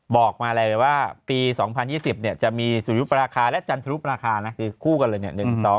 บอกมาเลยว่าปี๒๐๒๐เนี่ยจะมีสุริยุปราคาและจันทรุปราคานะคือคู่กันเลยเนี่ย